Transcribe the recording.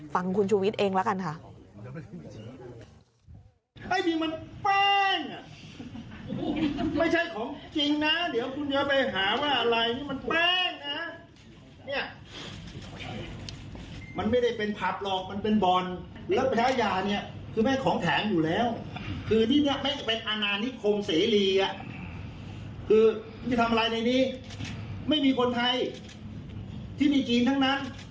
ฟังคุณชูวิทย์เองละกันค่ะ